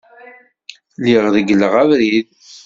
Lliɣ regleɣ abrid.